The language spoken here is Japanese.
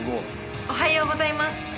おはようございます。